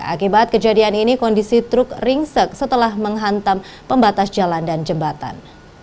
akibat kejadian ini kondisi truk ringsek setelah menghantam pembatas jalan dan jembatan